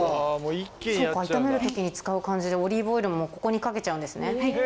そっか炒める時に使う感じでオリーブオイルもここにかけちゃうんですね。